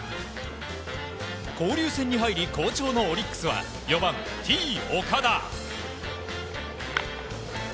交流戦に入り好調のオリックスは４番、Ｔ‐岡田。